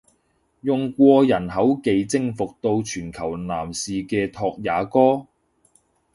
用過人口技征服到全球男士嘅拓也哥！？